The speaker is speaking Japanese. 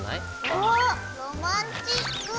おっロマンチック！